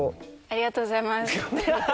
ありがとうございます。